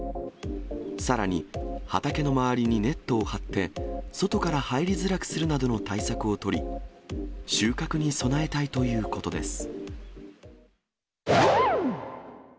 さらに、畑の周りにネットを張って、外から入りづらくするなどの対策を取り、収穫に備えたいということです。